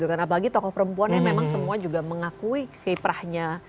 apalagi tokoh perempuan yang memang semua juga mengakui kiprahnya